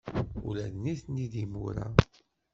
Ula d nitni d imura.